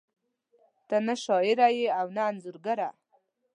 ته نه شاعره ېې او نه انځورګره